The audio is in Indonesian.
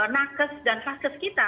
nakes dan kaskes kita